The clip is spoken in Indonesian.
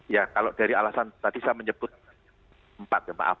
ya kalau dari alasan tadi saya menyebut empat ya maaf